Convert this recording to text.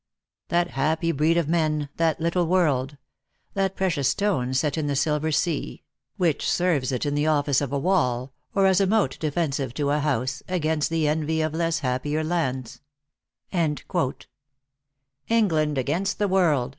283 V That happy breed of men, that little world ; That precious stone set in the silver sea, Which serves it in the office of a wall, Or as a moat defensive to a hou^e, Against the envy of less happier lands. England against the world